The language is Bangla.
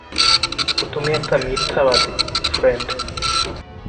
তুমি একটা মিথ্যাবাদী, ফ্রেড।